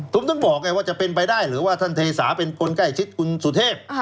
ผมถึงบอกไงว่าจะเป็นไปได้หรือว่าท่านเทสาเป็นคนใกล้ชิดคุณสุเทพ